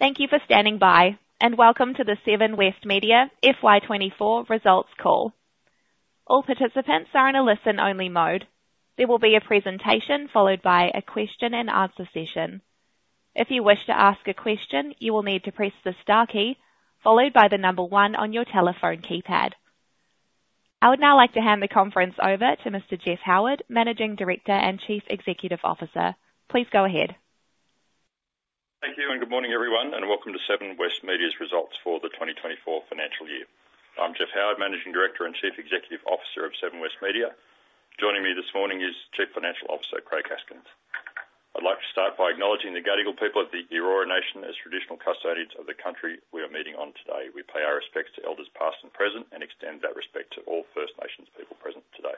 Thank you for standing by, and welcome to the Seven West Media FY24 results call. All participants are in a listen-only mode. There will be a presentation followed by a question-and-answer session. If you wish to ask a question, you will need to press the star key, followed by the number one on your telephone keypad. I would now like to hand the conference over to Mr. Jeff Howard, Managing Director and Chief Executive Officer. Please go ahead. Thank you, and good morning, everyone, and welcome to Seven West Media's results for the 2024 financial year. I'm Jeff Howard, Managing Director and Chief Executive Officer of Seven West Media. Joining me this morning is Chief Financial Officer, Craig Haskins. I'd like to start by acknowledging the Gadigal people of the Eora Nation as traditional custodians of the country we are meeting on today. We pay our respects to elders past and present, and extend that respect to all First Nations people present today.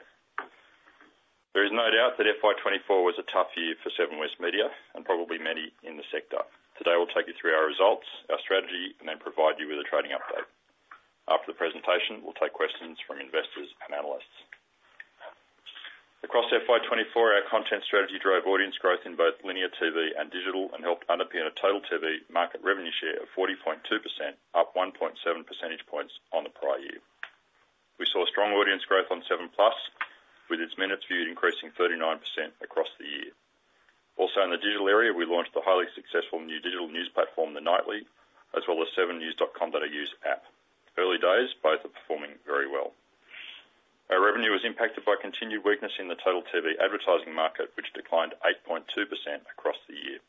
There is no doubt that FY 2024 was a tough year for Seven West Media and probably many in the sector. Today, we'll take you through our results, our strategy, and then provide you with a trading update. After the presentation, we'll take questions from investors and analysts. Across FY 2024, our content strategy drove audience growth in both linear TV and digital and helped underpin a total TV market revenue share of 40.2%, up 1.7 percentage points on the prior year. We saw strong audience growth on 7plus, with its minutes viewed increasing 39% across the year. Also, in the digital area, we launched the highly successful new digital news platform, The Nightly, as well as 7NEWS.com.au's app. Early days, both are performing very well. Our revenue was impacted by continued weakness in the total TV advertising market, which declined 8.2% across the year.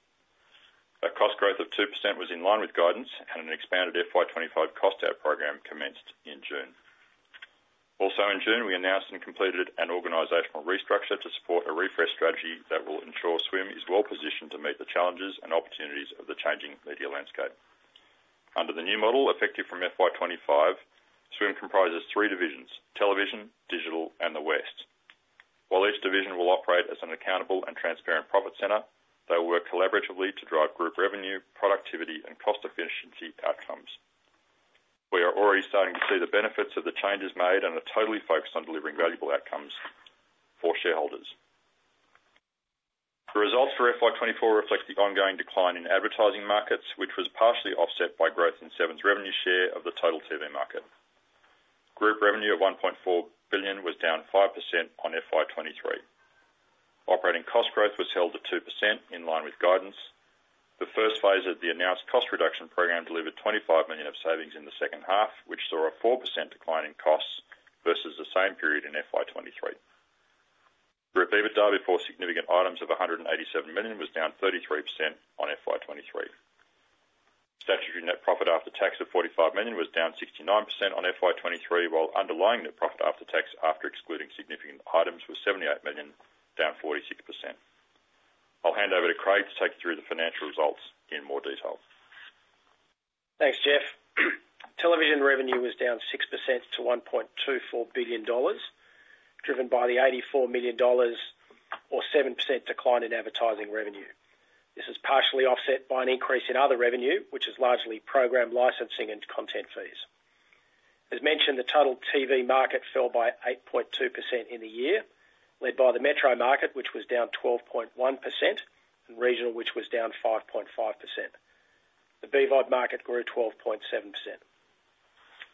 Our cost growth of 2% was in line with guidance and an expanded FY 2025 cost out program commenced in June. Also in June, we announced and completed an organizational restructure to support a refreshed strategy that will ensure SWM is well-positioned to meet the challenges and opportunities of the changing media landscape. Under the new model, effective from FY 2025, SWM comprises three divisions: television, digital, and the West. While each division will operate as an accountable and transparent profit center, they will work collaboratively to drive group revenue, productivity, and cost efficiency outcomes. We are already starting to see the benefits of the changes made and are totally focused on delivering valuable outcomes for shareholders. The results for FY 2024 reflect the ongoing decline in advertising markets, which was partially offset by growth in Seven's revenue share of the total TV market. Group revenue at AUD 1.4 billion was down 5% on FY 2023. Operating cost growth was held to 2% in line with guidance. The first phase of the announced cost reduction program delivered 25 million of savings in the second half, which saw a 4% decline in costs versus the same period in FY 2023. Group EBITDA before significant items of 187 million was down 33% on FY 2023. Statutory net profit after tax of 45 million was down 69% on FY 2023, while underlying net profit after tax, after excluding significant items, was 78 million, down 46%. I'll hand over to Craig to take you through the financial results in more detail. Thanks, Jeff. Television revenue was down 6% to 1.24 billion dollars, driven by the 84 million dollars or 7% decline in advertising revenue. This is partially offset by an increase in other revenue, which is largely program licensing and content fees. As mentioned, the total TV market fell by 8.2% in the year, led by the metro market, which was down 12.1%, and regional, which was down 5.5%. The BVOD market grew 12.7%.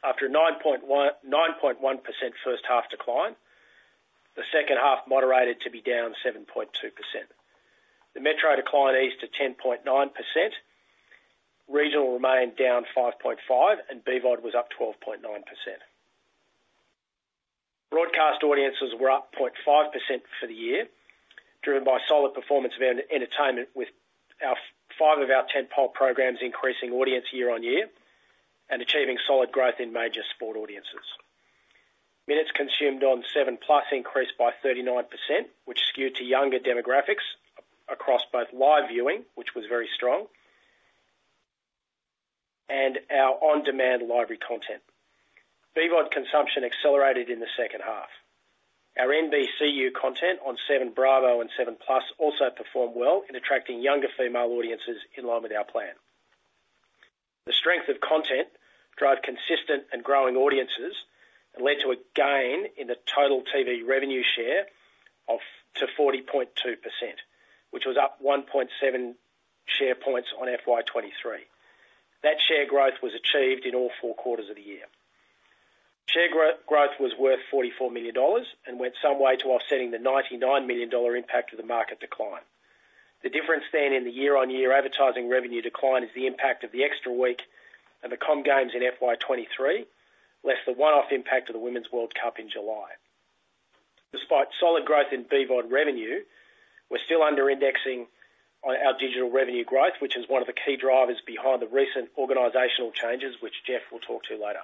After a 9.1, 9.1% first half decline, the second half moderated to be down 7.2%. The metro decline eased to 10.9%, regional remained down 5.5, and BVOD was up 12.9%. Broadcast audiences were up 0.5% for the year, driven by solid performance of our entertainment, with our five of our 10 tentpole programs increasing audience year-on-year and achieving solid growth in major sport audiences. Minutes consumed on 7plus increased by 39%, which skewed to younger demographics across both live viewing, which was very strong, and our on-demand library content. BVOD consumption accelerated in the second half. Our NBCU content on 7Bravo and 7plus also performed well in attracting younger female audiences in line with our plan. The strength of content drove consistent and growing audiences and led to a gain in the total TV revenue share of to 40.2%, which was up 1.7 share points on FY 2023. That share growth was achieved in all four quarters of the year. Share growth was worth 44 million dollars and went some way to offsetting the 99 million dollar impact of the market decline. The difference then in the year-on-year advertising revenue decline is the impact of the extra week and the Comm Games in FY 2023, less the one-off impact of the Women's World Cup in July. Despite solid growth in BVOD revenue, we're still under-indexing on our digital revenue growth, which is one of the key drivers behind the recent organizational changes, which Jeff will talk to later.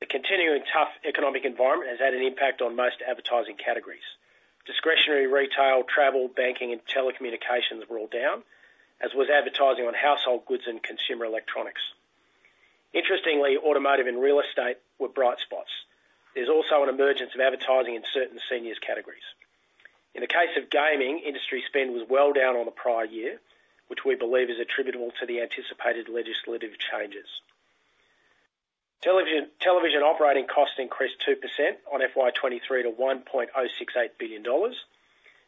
The continuing tough economic environment has had an impact on most advertising categories. Discretionary retail, travel, banking, and telecommunications were all down, as was advertising on household goods and consumer electronics. Interestingly, automotive and real estate were bright spots. There's also an emergence of advertising in certain seniors categories. In the case of gaming, industry spend was well down on the prior year, which we believe is attributable to the anticipated legislative changes. Television, television operating costs increased 2% on FY 2023 to 1.068 billion dollars.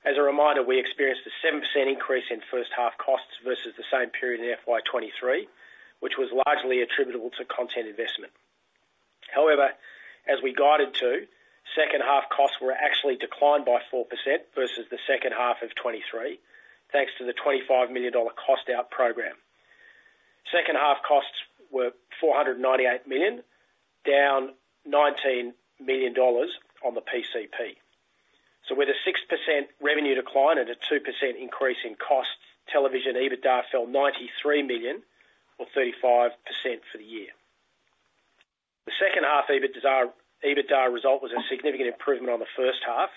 As a reminder, we experienced a 7% increase in first half costs versus the same period in FY 2023, which was largely attributable to content investment. However, as we guided to, second half costs were actually declined by 4% versus the second half of 2023, thanks to the 25 million dollar cost-out program. Second half costs were 498 million, down 19 million dollars on the PCP. So with a 6% revenue decline and a 2% increase in costs, television EBITDA fell 93 million, or 35% for the year. The second half EBITDA result was a significant improvement on the first half,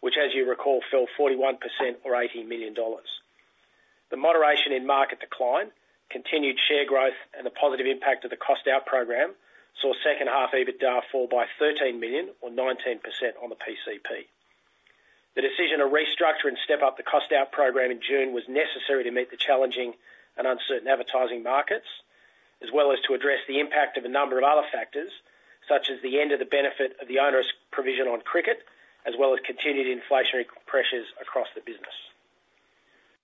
which, as you recall, fell 41% or 80 million dollars. The moderation in market decline, continued share growth, and the positive impact of the cost-out program, saw second half EBITDA fall by 13 million, or 19% on the PCP. The decision to restructure and step up the cost-out program in June was necessary to meet the challenging and uncertain advertising markets, as well as to address the impact of a number of other factors, such as the end of the benefit of the onerous provision on cricket, as well as continued inflationary pressures across the business.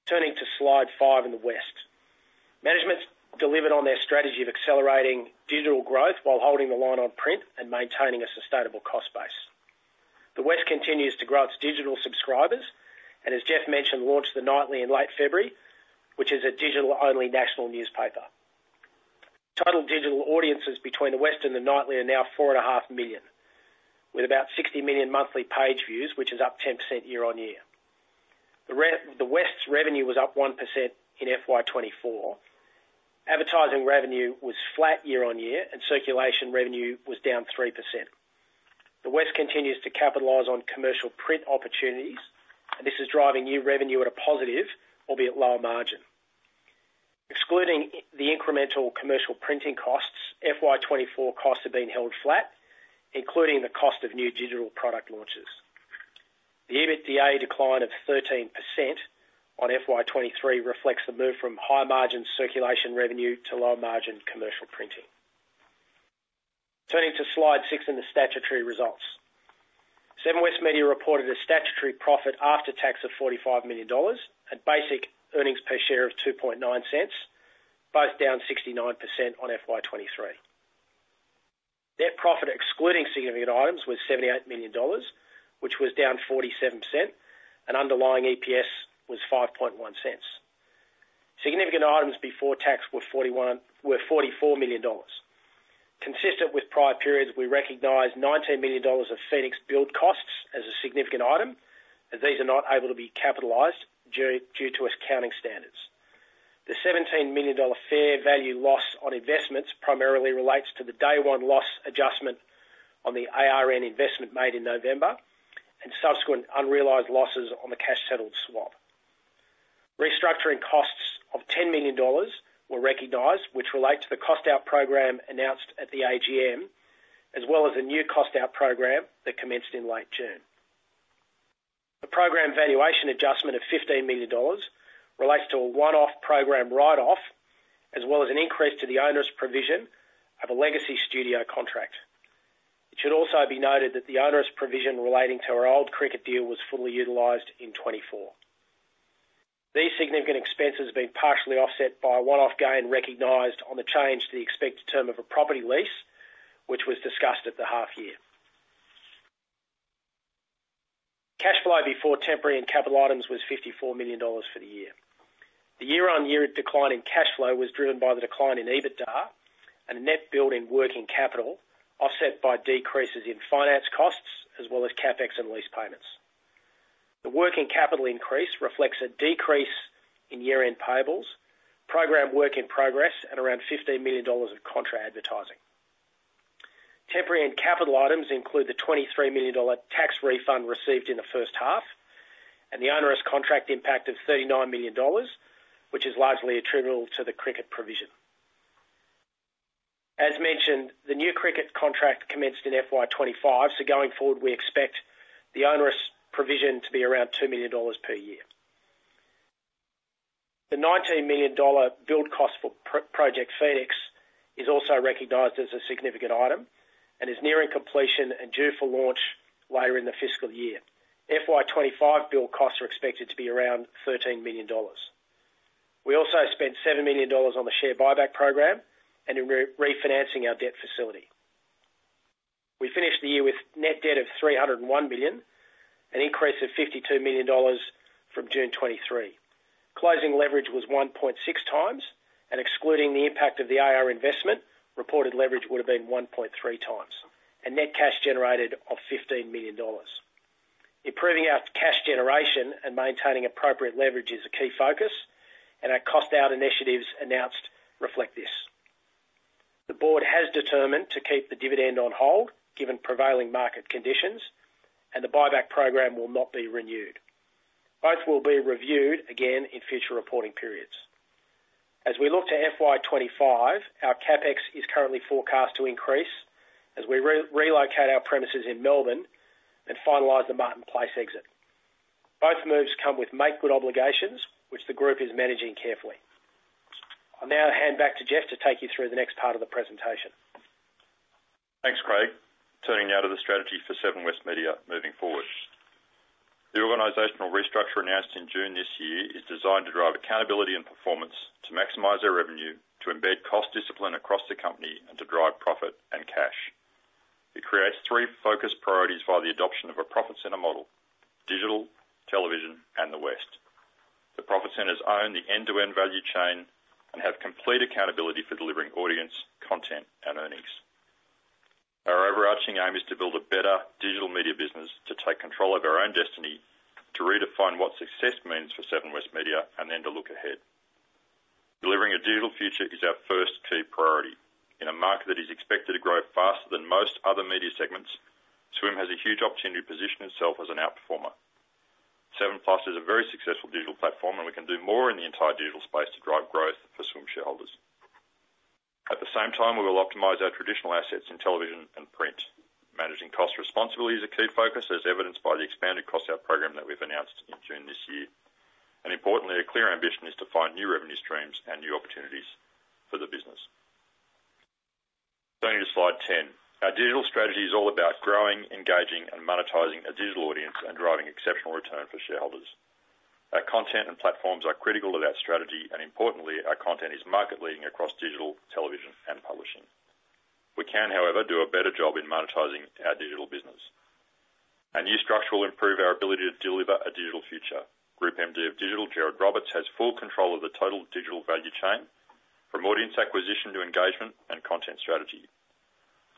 Turning to Slide 5 in the West. Management's delivered on their strategy of accelerating digital growth while holding the line on print and maintaining a sustainable cost base. The West continues to grow its digital subscribers, and as Jeff mentioned, launched The Nightly in late February, which is a digital-only national newspaper. Total digital audiences between The West and The Nightly are now 4.5 million, with about 60 million monthly page views, which is up 10% year-over-year. The West's revenue was up 1% in FY 2024. Advertising revenue was flat year-over-year, and circulation revenue was down 3%. The West continues to capitalize on commercial print opportunities, and this is driving new revenue at a positive, albeit lower margin. Excluding the incremental commercial printing costs, FY 2024 costs have been held flat, including the cost of new digital product launches. The EBITDA decline of 13% on FY 2023 reflects the move from high-margin circulation revenue to low-margin commercial printing. Turning to Slide 6 and the statutory results. Seven West Media reported a statutory profit after tax of AUD 45 million and basic earnings per share of 0.029, both down 69% on FY 2023. Net profit, excluding significant items, was 78 million dollars, which was down 47%, and underlying EPS was 0.051. Significant items before tax were 44 million dollars. Consistent with prior periods, we recognized 19 million dollars of Phoenix build costs as a significant item, as these are not able to be capitalized due to accounting standards. The 17 million dollar fair value loss on investments primarily relates to the day one loss adjustment on the ARN investment made in November and subsequent unrealized losses on the cash-settled swap. Restructuring costs of 10 million dollars were recognized, which relate to the cost-out program announced at the AGM, as well as a new cost-out program that commenced in late June. The program valuation adjustment of 15 million dollars relates to a one-off program write-off, as well as an increase to the onerous provision of a legacy studio contract. It should also be noted that the onerous provision relating to our old cricket deal was fully utilized in 2024. These significant expenses have been partially offset by a one-off gain recognized on the change to the expected term of a property lease, which was discussed at the half year. Cash flow before temporary and capital items was 54 million dollars for the year. The year-on-year decline in cash flow was driven by the decline in EBITDA and a net build in working capital, offset by decreases in finance costs, as well as CapEx and lease payments. The working capital increase reflects a decrease in year-end payables, program work in progress, and around 15 million dollars of contra advertising. Temporary and capital items include the 23 million dollar tax refund received in the first half, and the onerous contract impact of 39 million dollars, which is largely attributable to the cricket provision. As mentioned, the new cricket contract commenced in FY 2025, so going forward, we expect the onerous provision to be around 2 million dollars per year. The 19 million dollar build cost for Project Phoenix is also recognized as a significant item and is nearing completion and due for launch later in the fiscal year. FY 25 build costs are expected to be around 13 million dollars. We also spent 7 million dollars on the share buyback program and in refinancing our debt facility. We finished the year with net debt of 301 million, an increase of 52 million dollars from June 2023. Closing leverage was 1.6x, and excluding the impact of the ARN investment, reported leverage would have been 1.3x, and net cash generated of 15 million dollars. Improving our cash generation and maintaining appropriate leverage is a key focus, and our cost-out initiatives announced reflect this. The board has determined to keep the dividend on hold, given prevailing market conditions, and the buyback program will not be renewed. Both will be reviewed again in future reporting periods. As we look to FY 25, our CapEx is currently forecast to increase as we relocate our premises in Melbourne and finalize the Martin Place exit. Both moves come with make good obligations, which the group is managing carefully. I'll now hand back to Jeff to take you through the next part of the presentation. Thanks, Craig. Turning now to the strategy for Seven West Media moving forward. The organizational restructure announced in June this year is designed to drive accountability and performance, to maximize our revenue, to embed cost discipline across the company, and to drive profit and cash. It creates three focus priorities via the adoption of a profit center model: digital, television, and the West. The profit centers own the end-to-end value chain and have complete accountability for delivering audience, content, and earnings. Our overarching aim is to build a better digital media business, to take control of our own destiny, to redefine what success means for Seven West Media, and then to look ahead. Delivering a digital future is our first key priority. In a market that is expected to grow faster than most other media segments, SWM has a huge opportunity to position itself as an outperformer. 7plus is a very successful digital platform, and we can do more in the entire digital space to drive growth for SWM shareholders. At the same time, we will optimize our traditional assets in television and print. Managing cost responsibility is a key focus, as evidenced by the expanded cost-out program that we've announced in June this year. Importantly, a clear ambition is to find new revenue streams and new opportunities for the business. Going to slide 10. Our digital strategy is all about growing, engaging, and monetizing a digital audience and driving exceptional return for shareholders. Our content and platforms are critical to that strategy, and importantly, our content is market-leading across digital, television, and publishing. We can, however, do a better job in monetizing our digital business. Our new structure will improve our ability to deliver a digital future. Group MD of Digital, Gereurd Roberts, has full control of the total digital value chain, from audience acquisition to engagement and content strategy.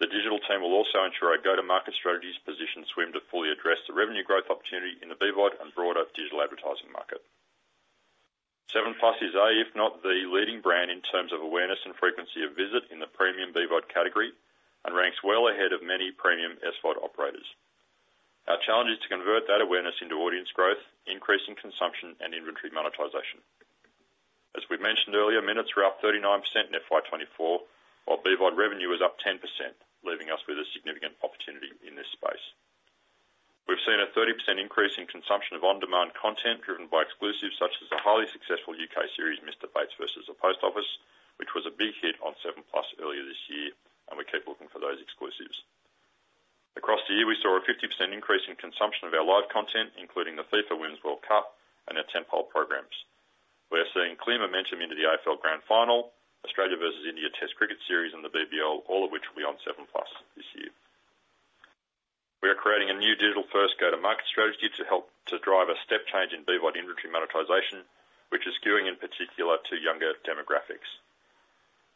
The digital team will also ensure our go-to-market strategies position SWM to fully address the revenue growth opportunity in the BVOD and broader digital advertising market. 7plus is a, if not the leading brand, in terms of awareness and frequency of visit in the premium BVOD category, and ranks well ahead of many premium SVOD operators. Our challenge is to convert that awareness into audience growth, increasing consumption and inventory monetization. As we've mentioned earlier, minutes were up 39% in FY 2024, while BVOD revenue is up 10%, leaving us with a significant opportunity in this space. We've seen a 30% increase in consumption of on-demand content, driven by exclusives such as the highly successful UK series, Mr. Bates vs The Post Office, which was a big hit on 7plus earlier this year, and we keep looking for those exclusives. Across the year, we saw a 50% increase in consumption of our live content, including the FIFA Women's World Cup and our tentpole programs. We are seeing clear momentum into the AFL Grand Final, Australia versus India Test Cricket Series, and the BBL, all of which will be on 7plus this year. We are creating a new digital-first go-to-market strategy to help to drive a step change in BVOD inventory monetization, which is skewing, in particular, to younger demographics.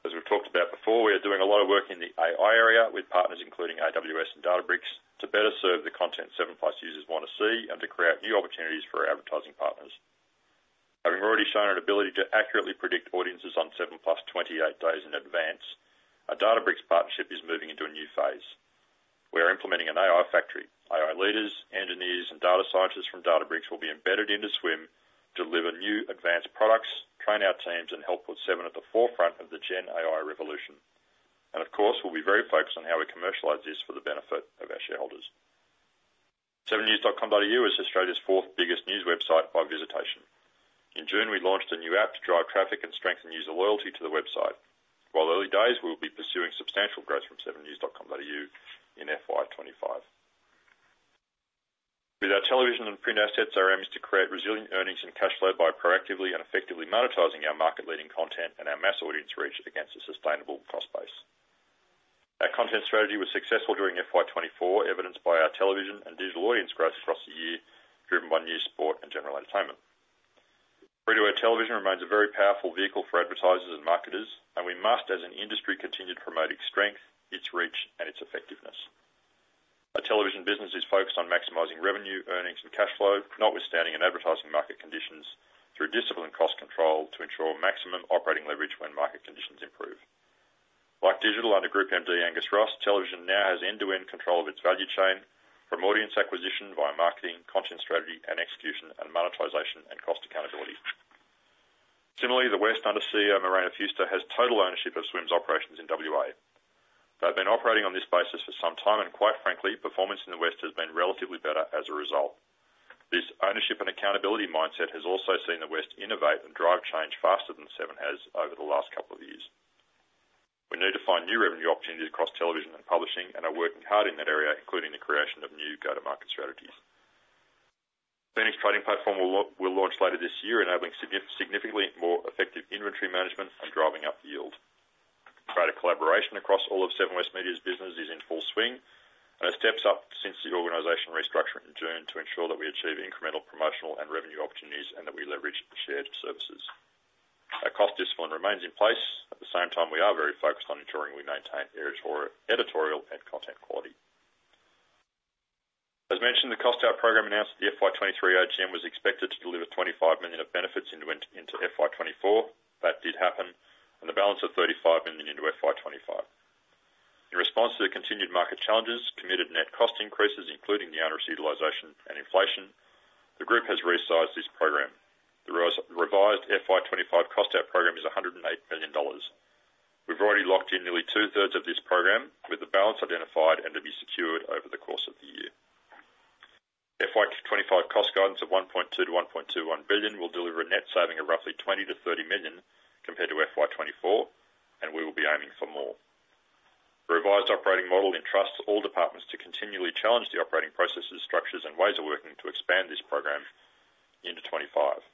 As we've talked about before, we are doing a lot of work in the AI area with partners, including AWS and Databricks, to better serve the content 7plus users want to see and to create new opportunities for our advertising partners. Having already shown an ability to accurately predict audiences on 7plus 28 days in advance, our Databricks partnership is moving into a new phase. We are implementing an AI factory. AI leaders, engineers, and data scientists from Databricks will be embedded into SWM to deliver new advanced products, train our teams, and help put Seven at the forefront of the Gen AI revolution. And of course, we'll be very focused on how we commercialize this for the benefit of our shareholders. 7NEWS.com.au is Australia's fourth biggest news website by visitation. In June, we launched a new app to drive traffic and strengthen user loyalty to the website. While early days, we'll be pursuing substantial growth from 7NEWS.com.au in FY25. With our television and print assets, our aim is to create resilient earnings and cash flow by proactively and effectively monetizing our market-leading content and our mass audience reach against a sustainable cost base. Our content strategy was successful during FY24, evidenced by our television and digital audience growth across the year, driven by news, sport, and general entertainment. Free-to-air television remains a very powerful vehicle for advertisers and marketers, and we must, as an industry, continue to promote its strength, its reach, and its effectiveness. Our television business is focused on maximizing revenue, earnings, and cash flow, notwithstanding in advertising market conditions, through discipline cost control to ensure maximum operating leverage when market conditions improve. Like digital, under Group MD Angus Ross, television now has end-to-end control of its value chain from audience acquisition via marketing, content strategy and execution, and monetization and cost accountability. Similarly, the West, under CEO Maryna Fewster, has total ownership of SWM's operations in WA. They've been operating on this basis for some time, and quite frankly, performance in the West has been relatively better as a result. This ownership and accountability mindset has also seen the West innovate and drive change faster than Seven has over the last couple of years. We need to find new revenue opportunities across television and publishing and are working hard in that area, including the creation of new go-to-market strategies. Phoenix trading platform will launch later this year, enabling significantly more effective inventory management and driving up yield. Greater collaboration across all of Seven West Media's business is in full swing, and it steps up since the organizational restructure in June to ensure that we achieve incremental promotional and revenue opportunities and that we leverage shared services. Our cost discipline remains in place. At the same time, we are very focused on ensuring we maintain editorial and content quality. As mentioned, the cost-out program announced at the FY23 AGM was expected to deliver 25 million of benefits into FY24. That did happen, and the balance of 35 million into FY25. In response to the continued market challenges, committed net cost increases, including the higher utilization and inflation, the group has reset its FY25 cost-out program to 108 million dollars. We've already locked in nearly two-thirds of this program, with the balance identified and to be secured over the course of the year. FY 2025 cost guidance of 1.2 billion-1.21 billion will deliver a net saving of roughly 20 million-30 million compared to FY 2024, and we will be aiming for more. The revised operating model entrusts all departments to continually challenge the operating processes, structures, and ways of working to expand this program into 2025.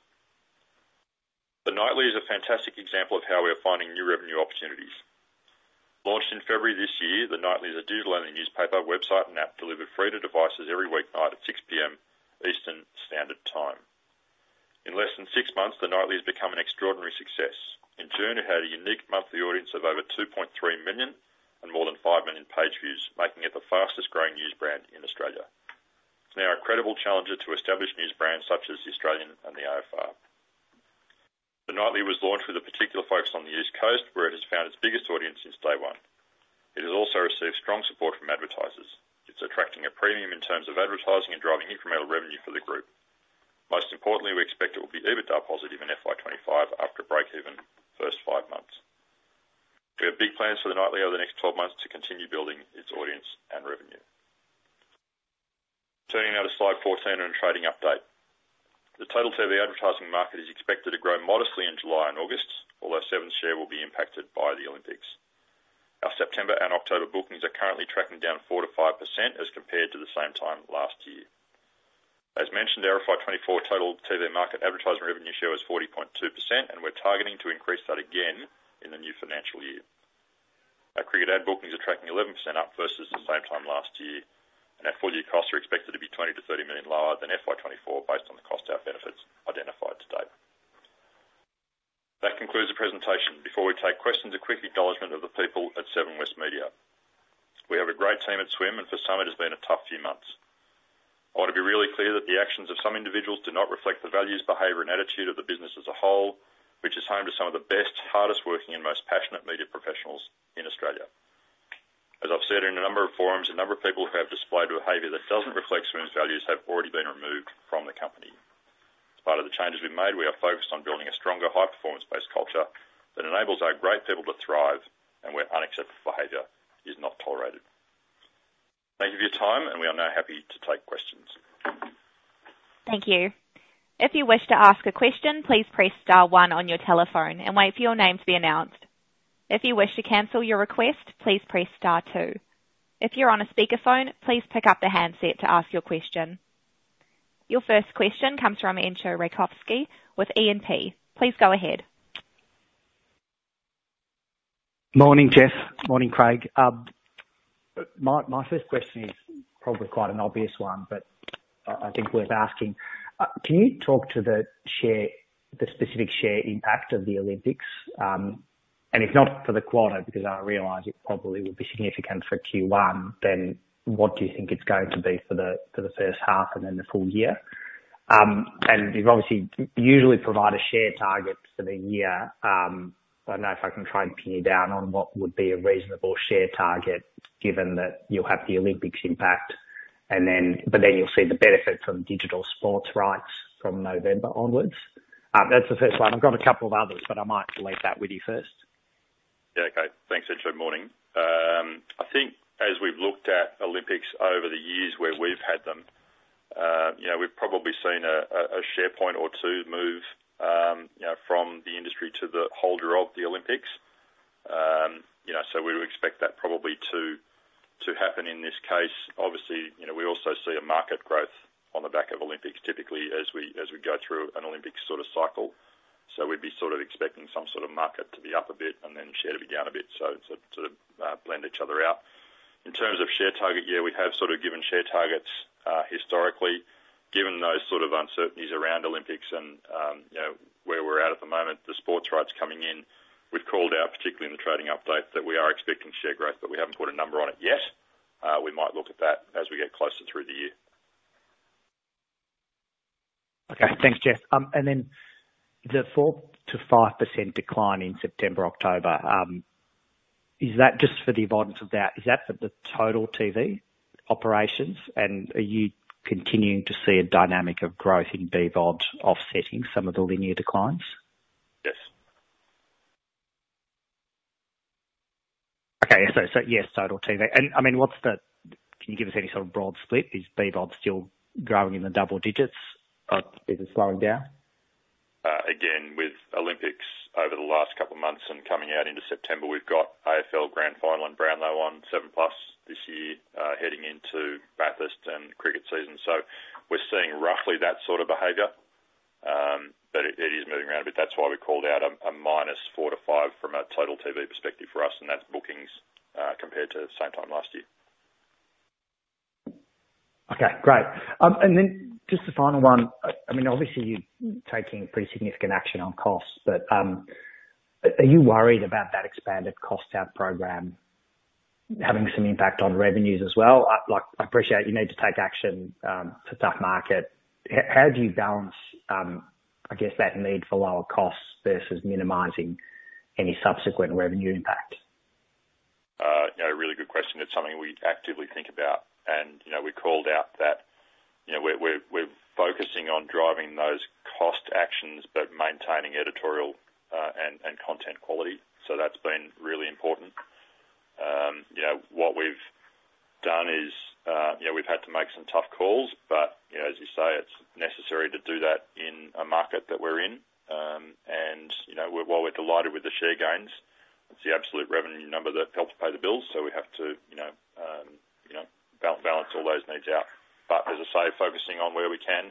The Nightly is a fantastic example of how we are finding new revenue opportunities. Launched in February this year, The Nightly is a digital-only newspaper, website, and app delivered free to devices every weeknight at 6:00 P.M. Eastern Standard Time. In less than six months, The Nightly has become an extraordinary success. In June, it had a unique monthly audience of over 2.3 million and more than 5 million page views, making it the fastest growing news brand in Australia. It's now a credible challenger to established news brands such as The Australian and The AFR. The Nightly was launched with a particular focus on the East Coast, where it has found its biggest audience since day one. It has also received strong support from advertisers. It's attracting a premium in terms of advertising and driving incremental revenue for the group. Most importantly, we expect it will be EBITDA positive in FY 2025 after breakeven first 5 months. We have big plans for The Nightly over the next 12 months to continue building its audience and revenue. Turning now to slide 14 and trading update. The Total TV advertising market is expected to grow modestly in July and August, although Seven's share will be impacted by the Olympics. Our September and October bookings are currently tracking down 4%-5% as compared to the same time last year. As mentioned, our FY 2024 total TV market advertising revenue share was 40.2%, and we're targeting to increase that again in the new financial year. Our cricket ad bookings are tracking 11% up versus the same time last year, and our full-year costs are expected to be 20-30 million lower than FY 2024, based on the cost-out benefits identified to date. That concludes the presentation. Before we take questions, a quick acknowledgment of the people at Seven West Media. We have a great team at SWM, and for some, it has been a tough few months. I want to be really clear that the actions of some individuals do not reflect the values, behavior, and attitude of the business as a whole, which is home to some of the best, hardest-working, and most passionate media professionals in Australia. As I've said in a number of forums, a number of people who have displayed behavior that doesn't reflect Swim's values have already been removed from the company. As part of the changes we've made, we are focused on building a stronger, high-performance-based culture that enables our great people to thrive and where unacceptable behavior is not tolerated. Thank you for your time, and we are now happy to take questions. Thank you. If you wish to ask a question, please press star one on your telephone and wait for your name to be announced. If you wish to cancel your request, please press star two. If you're on a speakerphone, please pick up the handset to ask your question. Your first question comes from Entcho Raykovski with E&P. Please go ahead. Morning, Jeff. Morning, Craig. My first question is probably quite an obvious one, but I think worth asking. Can you talk to the share, the specific share impact of the Olympics? And if not for the quarter, because I realize it probably will be significant for Q1, then what do you think it's going to be for the first half and then the full year? And you've obviously usually provide a share target for the year. I don't know if I can try and pin you down on what would be a reasonable share target, given that you'll have the Olympics impact, and then, but then you'll see the benefits of digital sports rights from November onwards. That's the first one. I've got a couple of others, but I might leave that with you first. Yeah. Okay. Thanks, Entcho. Morning. I think as we've looked at Olympics over the years where we've had them, you know, we've probably seen a share point or two move, you know, from the industry to the holder of the Olympics. You know, so we would expect that probably to happen in this case. Obviously, you know, we also see a market growth on the back of Olympics, typically as we go through an Olympic sort of cycle. So we'd be sort of expecting some sort of market to be up a bit and then share to be down a bit, so to blend each other out. In terms of share target, yeah, we have sort of given share targets, historically, given those sort of uncertainties around Olympics and, you know, where we're at at the moment, the sports rights coming in, we've called out, particularly in the trading update, that we are expecting share growth, but we haven't put a number on it yet. We might look at that as we get closer through the year. Okay. Thanks, Jeff. And then the 4%-5% decline in September, October, is that just for the avoidance of doubt, is that for the total TV operations? And are you continuing to see a dynamic of growth in BVOD offsetting some of the linear declines? Yes. Okay. So, so yes, Total TV. And I mean, what's the... Can you give us any sort of broad split? Is BVOD still growing in the double digits, or is it slowing down? Again, with Olympics over the last couple of months and coming out into September, we've got AFL Grand Final and Brownlow on 7plus this year, heading into Bathurst and cricket season. So we're seeing roughly that sort of behavior, but it, it is moving around a bit. That's why we called out minus 4 to 5 from a Total TV perspective for us, and that's bookings, compared to same time last year. Okay, great. And then just the final one, I mean, obviously you're taking pretty significant action on costs, but, are you worried about that expanded cost-out program having some impact on revenues as well? I, like, I appreciate you need to take action, it's a tough market. How do you balance, I guess, that need for lower costs versus minimizing any subsequent revenue impact?... A really good question. It's something we actively think about, and, you know, we called out that. You know, we're focusing on driving those cost actions, but maintaining editorial and content quality. So that's been really important. You know, what we've done is, you know, we've had to make some tough calls, but, you know, as you say, it's necessary to do that in a market that we're in. And, you know, while we're delighted with the share gains, it's the absolute revenue number that helps pay the bills. So we have to, you know, balance all those needs out. But as I say, focusing on where we can,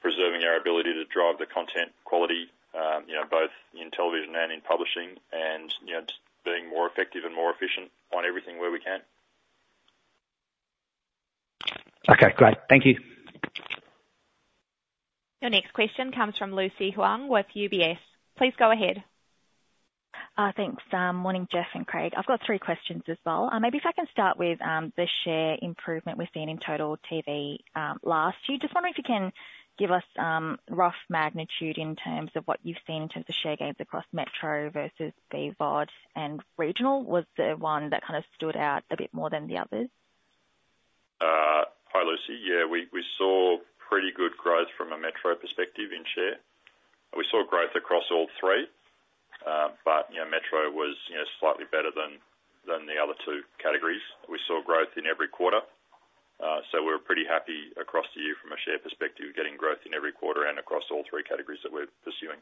preserving our ability to drive the content quality, you know, both in television and in publishing, and, you know, just being more effective and more efficient on everything where we can. Okay, great. Thank you. Your next question comes from Lucy Huang with UBS. Please go ahead. Thanks. Morning, Jeff and Craig. I've got three questions as well. Maybe if I can start with the share improvement we've seen in Total TV last year. Just wondering if you can give us rough magnitude in terms of what you've seen in terms of share gains across Metro versus the VOD and Regional. Was there one that kind of stood out a bit more than the others? Hi, Lucy. Yeah, we saw pretty good growth from a metro perspective in share. We saw growth across all three. But, you know, metro was, you know, slightly better than the other two categories. We saw growth in every quarter. So we're pretty happy across the year from a share perspective, getting growth in every quarter and across all three categories that we're pursuing.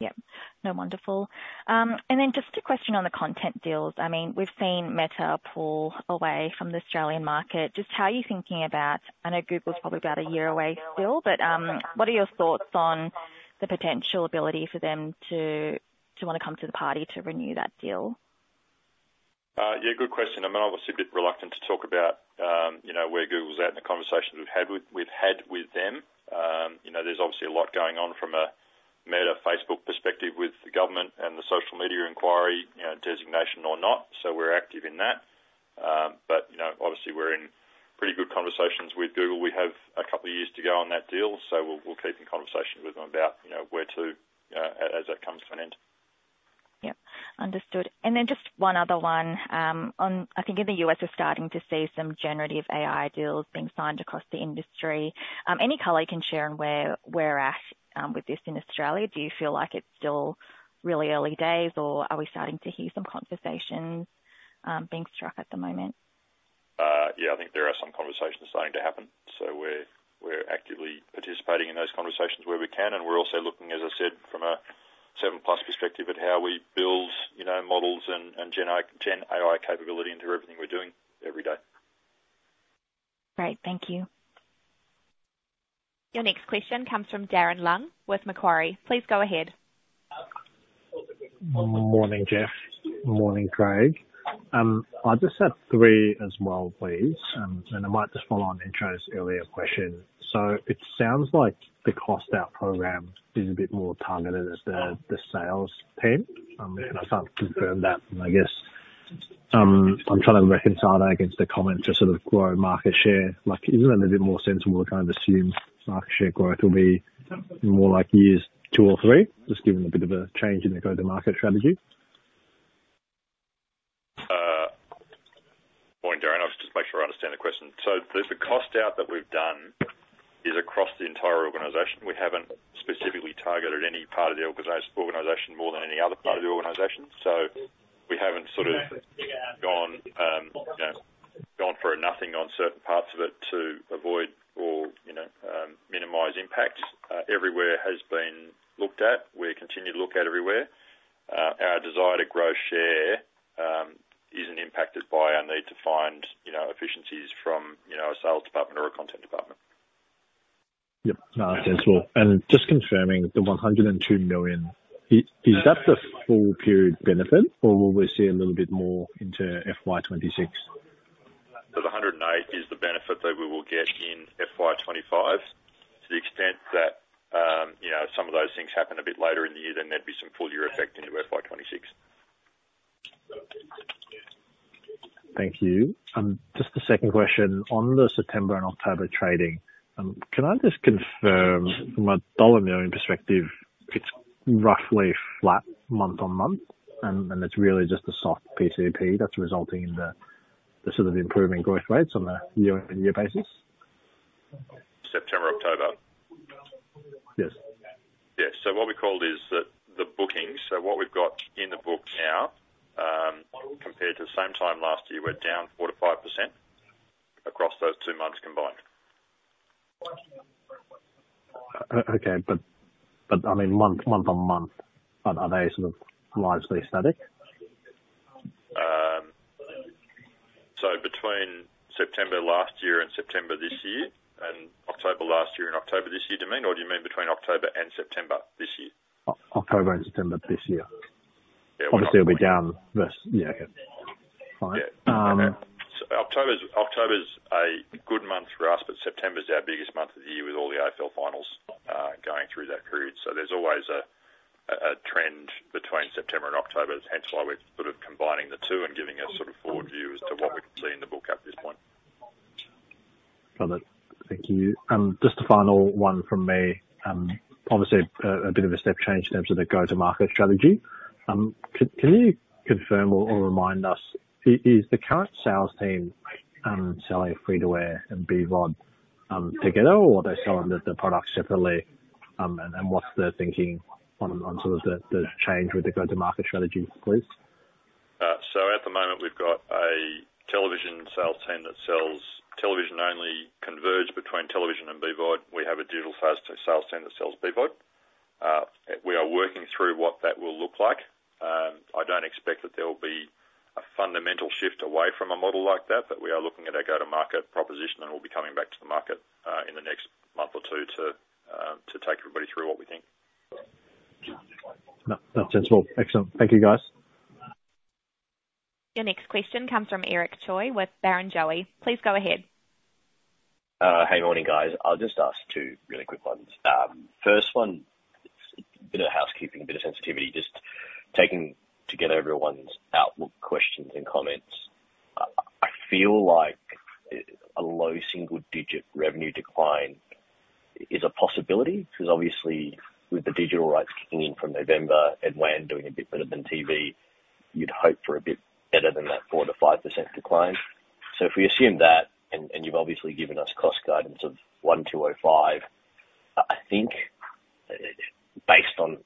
Yep. No, wonderful. And then just a question on the content deals. I mean, we've seen Meta pull away from the Australian market. Just how are you thinking about... I know Google's probably about a year away still, but, what are your thoughts on the potential ability for them to, to want to come to the party to renew that deal? Yeah, good question. I mean, obviously a bit reluctant to talk about, you know, where Google's at in the conversations we've had with them. You know, there's obviously a lot going on from a Meta/Facebook perspective with the government and the social media inquiry, you know, designation or not. So we're active in that. But, you know, obviously we're in pretty good conversations with Google. We have a couple of years to go on that deal, so we'll keep in conversation with them about, you know, where to as that comes to an end. Yep, understood. And then just one other one, on, I think in the U.S. are starting to see some generative AI deals being signed across the industry. Any color you can share on where, where at, with this in Australia? Do you feel like it's still really early days, or are we starting to hear some conversations, being struck at the moment? Yeah, I think there are some conversations starting to happen, so we're actively participating in those conversations where we can. And we're also looking, as I said, from a 7plus perspective at how we build, you know, models and Gen AI capability into everything we're doing every day. Great. Thank you. Your next question comes from Darren Leung with Macquarie. Please go ahead. Morning, Jeff. Morning, Craig. I just have three as well, please. And I might just follow on intro's earlier question. So it sounds like the cost-out program is a bit more targeted as the, the sales team. Can I start to confirm that? I guess, I'm trying to reconcile that against the comment to sort of grow market share. Like, isn't it a bit more sensible to kind of assume market share growth will be more like years two or three, just given a bit of a change in the go-to-market strategy? Morning, Darren. I'll just make sure I understand the question. So there's the cost out that we've done is across the entire organization. We haven't specifically targeted any part of the organization more than any other part of the organization. So we haven't sort of gone, you know, gone for nothing on certain parts of it to avoid or, you know, minimize impact. Everywhere has been looked at, we continue to look at everywhere. Our desire to grow share isn't impacted by our need to find, you know, efficiencies from, you know, a sales department or a content department. Yep, sensible. Just confirming the 102 million, is that the full period benefit, or will we see a little bit more into FY 2026? So the 108 is the benefit that we will get in FY25. To the extent that, you know, some of those things happen a bit later in the year, then there'd be some full year effect into FY26. Thank you. Just a second question. On the September and October trading, can I just confirm from a dollar million perspective, it's roughly flat month on month, and it's really just a soft PCP that's resulting in the sort of improvement growth rates on a year-on-year basis? September, October? Yes. Yes. So what we called is that the bookings. So what we've got in the book now, compared to the same time last year, we're down 4%-5% across those two months combined. Okay, but I mean, month on month, are they sort of largely static? So between September last year and September this year, and October last year and October this year, do you mean? Or do you mean between October and September this year? October and September this year. Yeah. Obviously, it'll be down this... Yeah. All right. Yeah. Okay. So October's a good month for us, but September's our biggest month of the year with all the AFL finals going through that period. So there's always a trend between September and October. That's hence why we're sort of combining the two and giving a sort of forward view as to what we can see in the book up this-... Got it. Thank you. Just a final one from me. Obviously, a bit of a step change in terms of the go-to-market strategy. Could you confirm or remind us, is the current sales team selling free-to-air and BVOD together, or are they selling the products separately? And what's the thinking on sort of the change with the go-to-market strategy, please? So at the moment, we've got a television sales team that sells television only, converged between television and BVOD. We have a digital sales team that sells BVOD. We are working through what that will look like. I don't expect that there will be a fundamental shift away from a model like that, but we are looking at our go-to-market proposition, and we'll be coming back to the market, in the next month or two to take everybody through what we think. No, that's sensible. Excellent. Thank you, guys. Your next question comes from Eric Choi with Barrenjoey. Please go ahead. Hey, morning, guys. I'll just ask two really quick ones. First one, it's a bit of housekeeping, a bit of sensitivity, just taking together everyone's outlook, questions, and comments. I feel like a low single-digit revenue decline is a possibility? 'Cause obviously, with the digital rights kicking in from November, and WAN doing a bit better than TV, you'd hope for a bit better than that 4%-5% decline. So if we assume that, and you've obviously given us cost guidance of 105, I think, based on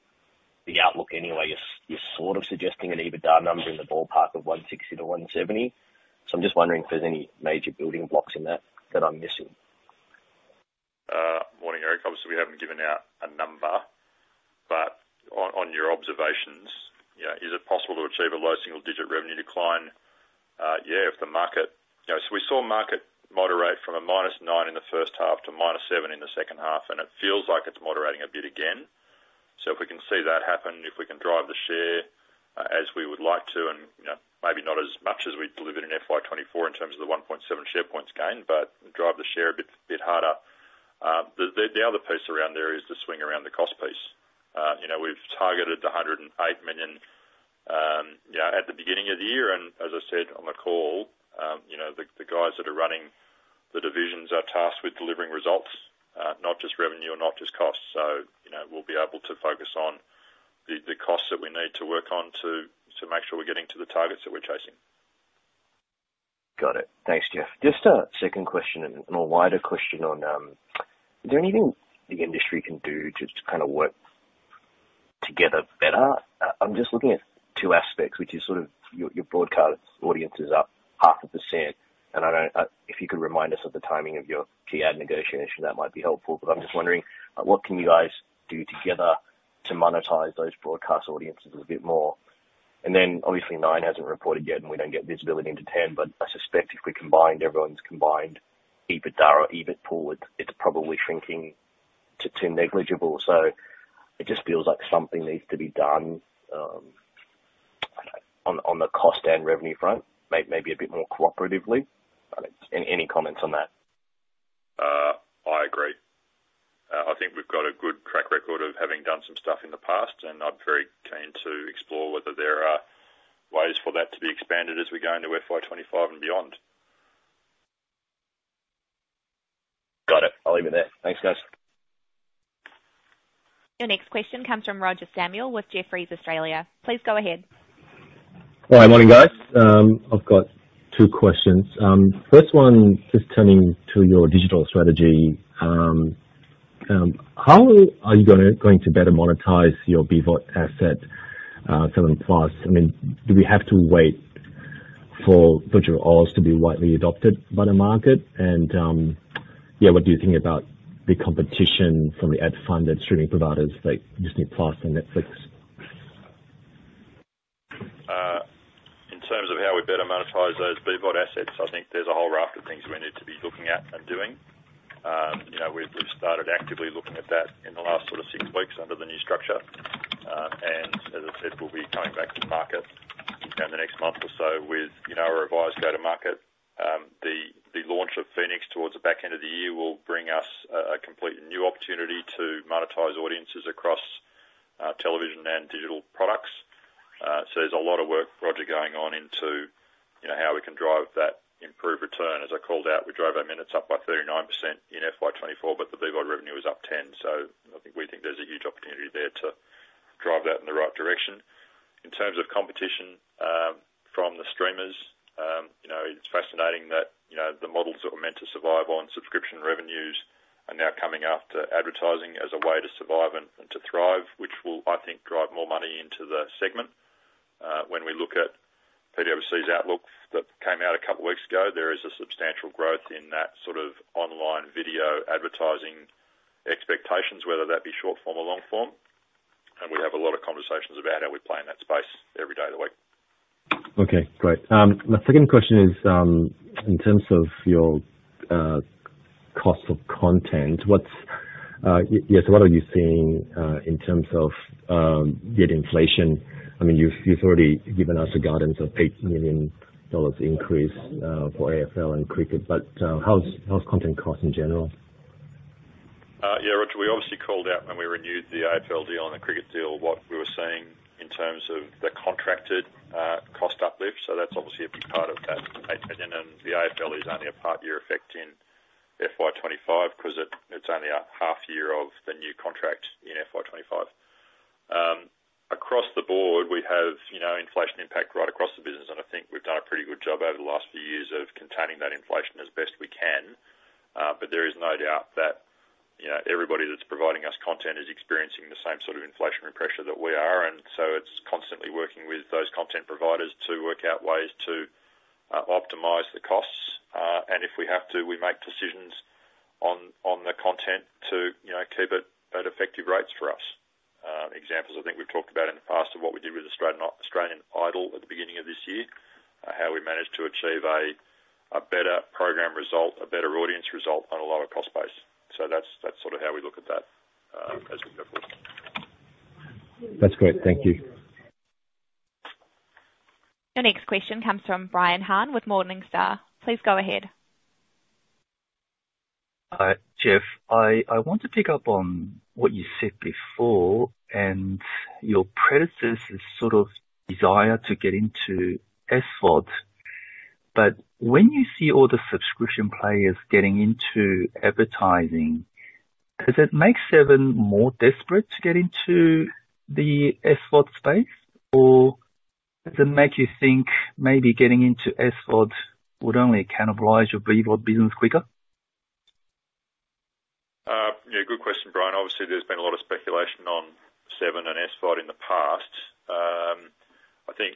the outlook anyway, you're sort of suggesting an EBITDA number in the ballpark of 160-170. So I'm just wondering if there's any major building blocks in that that I'm missing. Morning, Eric. Obviously, we haven't given out a number, but on your observations, you know, is it possible to achieve a low single-digit revenue decline? Yeah, if the market... You know, so we saw market moderate from a -9 in the first half to -7 in the second half, and it feels like it's moderating a bit again. So if we can see that happen, if we can drive the share, as we would like to, and, you know, maybe not as much as we delivered in FY 2024, in terms of the 1.7 share points gain, but drive the share a bit harder. The other piece around there is the swing around the cost piece. You know, we've targeted 108 million, you know, at the beginning of the year, and as I said on the call, you know, the guys that are running the divisions are tasked with delivering results, not just revenue and not just costs. So, you know, we'll be able to focus on the costs that we need to work on to make sure we're getting to the targets that we're chasing. Got it. Thanks, Jeff. Just a second question, and a wider question on, is there anything the industry can do just to kind of work together better? I'm just looking at two aspects, which is sort of your broadcast audience is up 0.5%, and I don't... If you could remind us of the timing of your key ad negotiation, that might be helpful. But I'm just wondering, what can you guys do together to monetize those broadcast audiences a bit more? And then, obviously, Nine hasn't reported yet, and we don't get visibility into Ten, but I suspect if we combined everyone's combined EBITDA or EBIT pool, it's probably shrinking to negligible. So it just feels like something needs to be done, on the cost and revenue front, maybe a bit more cooperatively. Any comments on that? I agree. I think we've got a good track record of having done some stuff in the past, and I'm very keen to explore whether there are ways for that to be expanded as we go into FY 25 and beyond. Got it. I'll leave it there. Thanks, guys. Your next question comes from Roger Samuel with Jefferies Australia. Please go ahead. Hi, morning, guys. I've got two questions. First one, just turning to your digital strategy, how are you going to better monetize your BVOD asset, 7plus? I mean, do we have to wait for virtual ads to be widely adopted by the market? And, yeah, what do you think about the competition from the ad-funded streaming providers like Disney+ and Netflix? In terms of how we better monetize those BVOD assets, I think there's a whole raft of things we need to be looking at and doing. You know, we've started actively looking at that in the last sort of six weeks under the new structure. And as I said, we'll be coming back to the market in the next month or so with, you know, a revised go-to-market. The launch of Phoenix towards the back end of the year will bring us a completely new opportunity to monetize audiences across, uh, television and digital products. So there's a lot of work, Roger, going on into, you know, how we can drive that improved return. As I called out, we drove our minutes up by 39% in FY 2024, but the BVOD revenue is up 10%, so I think we think there's a huge opportunity there to drive that in the right direction. In terms of competition, from the streamers, you know, it's fascinating that, you know, the models that were meant to survive on subscription revenues are now coming after advertising as a way to survive and, and to thrive, which will, I think, drive more money into the segment. When we look at PwC's outlook that came out a couple weeks ago, there is a substantial growth in that sort of online video advertising expectations, whether that be short form or long form. We have a lot of conversations about how we play in that space every day of the week. Okay, great. My second question is, in terms of your cost of content, what are you seeing in terms of, yeah, the inflation? I mean, you've already given us a guidance of 8 million dollars increase for AFL and cricket, but how's content cost in general?... Yeah, Roger, we obviously called out when we renewed the AFL deal and the cricket deal, what we were seeing in terms of the contracted cost uplift. So that's obviously a big part of that opinion, and the AFL is only a part-year effect in FY 25, 'cause it, it's only a half year of the new contract in FY 25. Across the board, we have, you know, inflation impact right across the business, and I think we've done a pretty good job over the last few years of containing that inflation as best we can. But there is no doubt that, you know, everybody that's providing us content is experiencing the same sort of inflationary pressure that we are, and so it's constantly working with those content providers to work out ways to optimize the costs. And if we have to, we make decisions on the content to, you know, keep it at effective rates for us. Examples I think we've talked about in the past, of what we did with Australian Idol at the beginning of this year, how we managed to achieve a better program result, a better audience result, on a lower cost base. So that's sort of how we look at that, as we go forward. That's great. Thank you. Your next question comes from Brian Han with Morningstar. Please go ahead. Jeff, I want to pick up on what you said before, and your predecessor's sort of desire to get into SVOD. But when you see all the subscription players getting into advertising, does it make Seven more desperate to get into the SVOD space, or does it make you think maybe getting into SVOD would only cannibalize your VOD business quicker? Yeah, good question, Brian. Obviously, there's been a lot of speculation on Seven and SVOD in the past. I think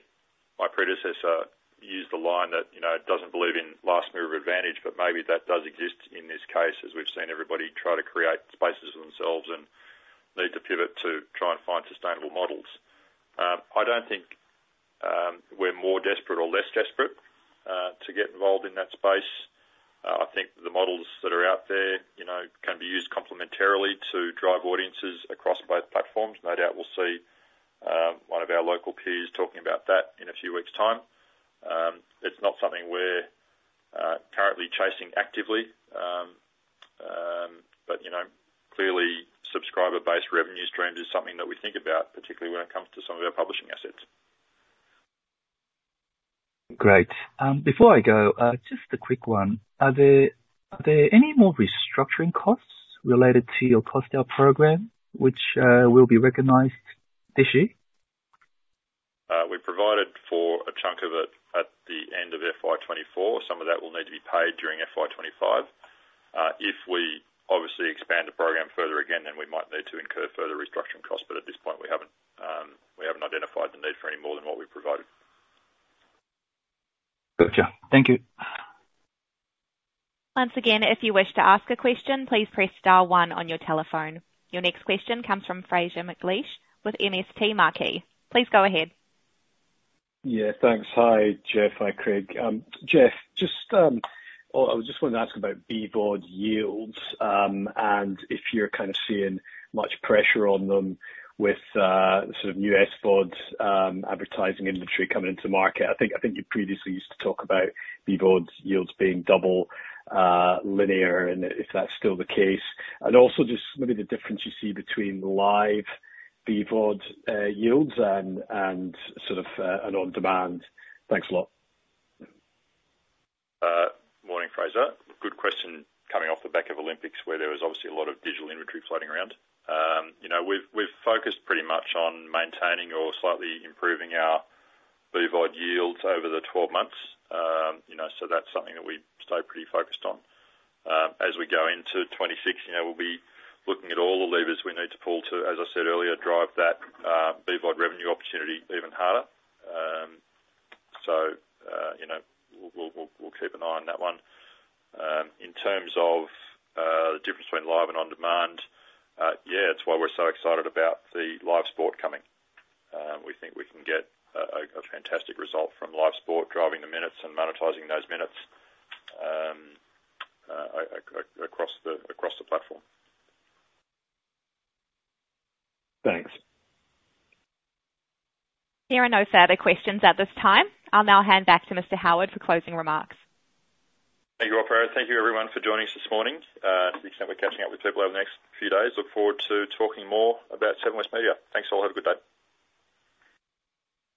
my predecessor used the line that, you know, doesn't believe in last mover advantage, but maybe that does exist in this case, as we've seen everybody try to create spaces for themselves and need to pivot to try and find sustainable models. I don't think we're more desperate or less desperate to get involved in that space. I think the models that are out there, you know, can be used complementarily to drive audiences across both platforms. No doubt we'll see one of our local peers talking about that in a few weeks' time. It's not something we're currently chasing actively. But, you know, clearly subscriber-based revenue stream is something that we think about, particularly when it comes to some of our publishing assets. Great. Before I go, just a quick one: Are there any more restructuring costs related to your cost-out program, which will be recognized this year? We provided for a chunk of it at the end of FY 2024. Some of that will need to be paid during FY 2025. If we obviously expand the program further again, then we might need to incur further restructuring costs, but at this point, we haven't, we haven't identified the need for any more than what we've provided. Gotcha. Thank you. Once again, if you wish to ask a question, please press star one on your telephone. Your next question comes from Fraser McLeish with MST Marquee. Please go ahead. Yeah, thanks. Hi, Jeff. Hi, Craig. Jeff, just, well, I just wanted to ask about BVOD yields, and if you're kind of seeing much pressure on them with sort of new SVODs, advertising industry coming into market. I think, I think you previously used to talk about BVOD yields being double linear, and if that's still the case, and also just maybe the difference you see between live BVOD yields and, and sort of and on-demand. Thanks a lot. Morning, Fraser. Good question, coming off the back of Olympics, where there was obviously a lot of digital inventory floating around. You know, we've focused pretty much on maintaining or slightly improving our BVOD yields over the 12 months. You know, so that's something that we stay pretty focused on. As we go into 2026, you know, we'll be looking at all the levers we need to pull to, as I said earlier, drive that BVOD revenue opportunity even harder. So, you know, we'll keep an eye on that one. In terms of the difference between live and on-demand, yeah, it's why we're so excited about the live sport coming. We think we can get a fantastic result from live sport, driving the minutes and monetizing those minutes, across the platform. Thanks. There are no further questions at this time. I'll now hand back to Mr. Howard for closing remarks. Thank you, Opera. Thank you everyone for joining us this morning. To the extent we're catching up with people over the next few days, look forward to talking more about Seven West Media. Thanks, all. Have a good day.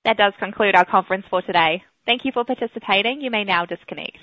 That does conclude our conference for today. Thank you for participating. You may now disconnect.